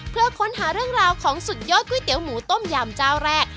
เพื่อค้นหาเรื่องราวของสุดยอดก๋วยเตี๋ยหมูต้มยำเจ้าแรก